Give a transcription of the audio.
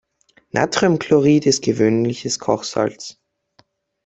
Natriumchlorid ist gewöhnliches Kochsalz.